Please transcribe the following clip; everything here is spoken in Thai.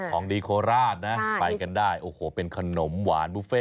ของดีโคราชนะไปกันได้โอ้โหเป็นขนมหวานบุฟเฟ่